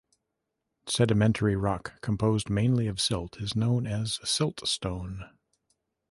Sedimentary rock composed mainly of silt is known as siltstone.